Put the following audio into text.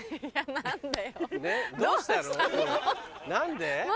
何で？